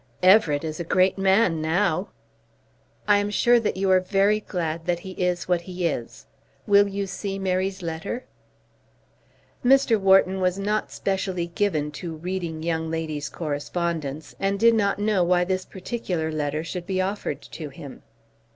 "Everett is a great man now." "I am sure that you are very glad that he is what he is. Will you see Mary's letter?" Mr. Wharton was not specially given to reading young ladies' correspondence, and did not know why this particular letter should be offered to him.